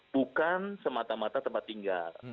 bukan semata mata tempat tinggal